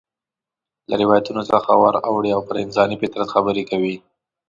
له روایتونو څخه ور اوړي او پر انساني فطرت خبرې کوي.